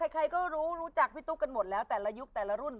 ใครก็รู้รู้จักพี่ตุ๊กกันหมดแล้วแต่ละยุคแต่ละรุ่น